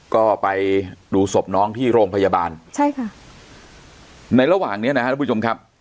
ก็ไปดูศพน้องที่โรงพยาบาลใช่ค่ะในระหว่างเนี้ยนะครับทุกผู้ชมครับ